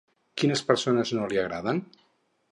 Quines persones no li agraden?